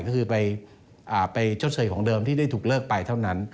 ก็คือไปชดเชยของเดิมที่ได้ถูกเลิกไปเท่านั้น